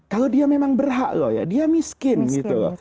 kalau dia memang berhak loh ya dia miskin gitu loh